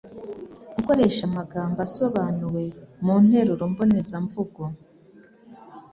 Gukoresha amagambo yasobanuwe mu nteruro mbonezamvugo.